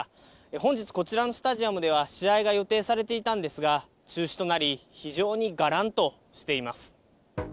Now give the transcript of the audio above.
本日、こちらのスタジアムでは試合が予定されていたんですが、中止となり、非常にがらんとしています。